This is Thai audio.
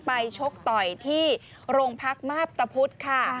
ชกต่อยที่โรงพักมาพตะพุธค่ะ